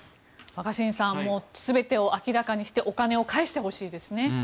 若新さんもう全てを明らかにしてお金を返してほしいですね。